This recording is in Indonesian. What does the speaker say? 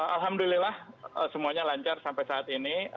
alhamdulillah semuanya lancar sampai saat ini